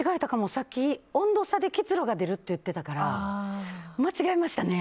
さっき温度差で結露が出ると言っていたから間違えましたね。